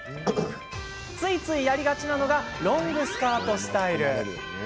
ついつい、やりがちなのがロングスカートスタイル。